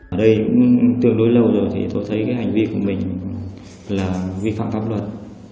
ở đây cũng tương đối lâu rồi thì tôi thấy cái hành vi của mình là vi phạm pháp luật